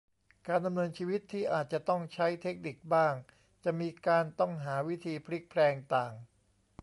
การดำเนินชีวิตที่อาจจะต้องใช้เทคนิคบ้างจะมีการต้องหาวิธีพลิกแพลงต่าง